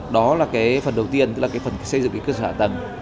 đó là cái phần đầu tiên tức là cái phần xây dựng cái cơ sở hạ tầng